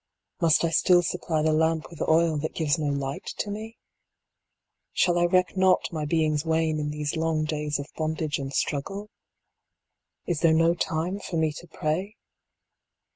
Must I still supply the lamp with oil that gives no light to me ? Shall I reck not my being s wane in these long days of bondage and struggle ? Is there no time for me to pray